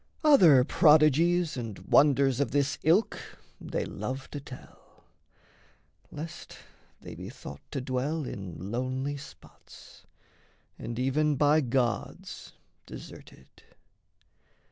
Other prodigies And wonders of this ilk they love to tell, Lest they be thought to dwell in lonely spots And even by gods deserted.